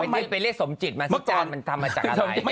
ที่ไปเรียกสมจิตมาสิจารย์มันทำมาจากอะไร